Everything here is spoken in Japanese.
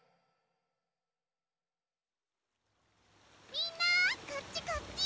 みんなこっちこっち！